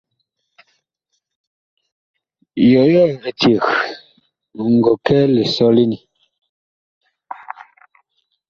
Yɔyɔɔ eceg ɔ ngɔ kɛ lisɔlene ?